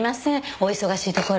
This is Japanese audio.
お忙しいところ。